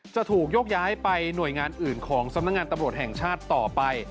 จะถูกยกย้ายไปหน่วยงานอื่นของสำนักงานตำรวจแห่งชาติต่อไป